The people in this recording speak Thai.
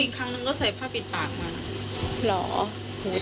อีกครั้งนึงก็ใส่ผ้าปิดปากมา